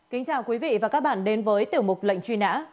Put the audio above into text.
kính chào quý vị và các bạn đến với tiểu mục lệnh truy nã